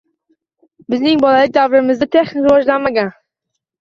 Bizning bolalik davrimizda texnika rivojlanmagan